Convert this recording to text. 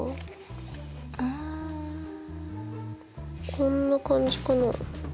こんな感じかな？